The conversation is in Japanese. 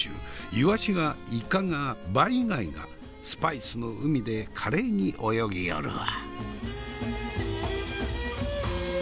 イワシがイカがバイ貝がスパイスの海で華麗に泳ぎよるわ。